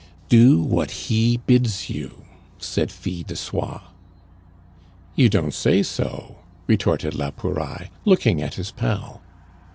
"Do what he bids you!" said Fil de Soie. "You don't say so?" retorted la Pouraille, looking at his pal.